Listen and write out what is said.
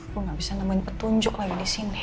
gue gak bisa nemuin petunjuk lagi di sini